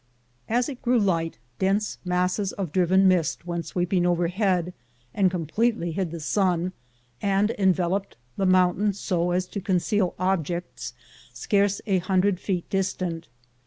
As it grew light, dense masses of driven mist went sweeping by overhead and completely hid the sun, and enveloped the mountain so as to conceal objects scarce a hundred feet distant.